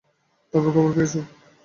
তারপর, খবর পেয়েছো?